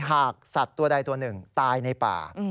หากสัตว์ตัวใดตัวหนึ่งตายในป่า